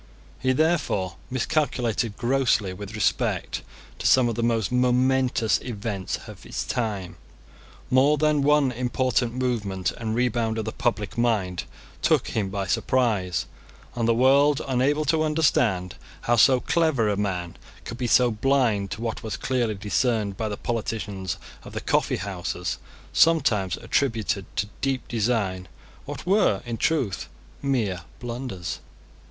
He therefore miscalculated grossly with respect to some of the most momentous events of his time. More than one important movement and rebound of the public mind took him by surprise; and the world, unable to understand how so clever a man could be blind to what was clearly discerned by the politicians of the coffee houses, sometimes attributed to deep design what were in truth mere blunders.